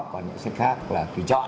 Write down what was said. còn những sách khác là tùy chọn